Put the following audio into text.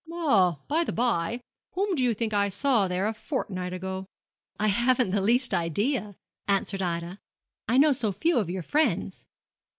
Ah, by the bye whom, do you think I saw there a fortnight ago?' 'I haven't the least idea,' answered Ida; 'I know so few of your friends.'